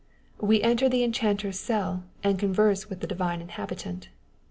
We enter the enchanter's cell, and converse with the divine inhabitant.